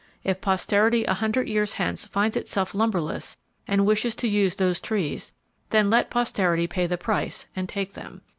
If Posterity a hundred years hence finds itself lumberless, and wishes to use those trees, then let Posterity pay the price, and take them.